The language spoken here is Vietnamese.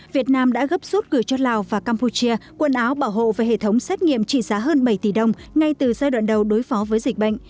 việt nam đã gấp suốt gửi cho lào và campuchia quần áo bảo hộ về hệ thống xét nghiệm trị giá hơn bảy tỷ đồng ngay từ giai đoạn đầu đối phó với dịch bệnh